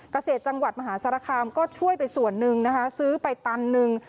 เกษตรจังหวัดมหาสารคามก็ช่วยไปส่วนหนึ่งนะคะซื้อไปตันหนึ่ง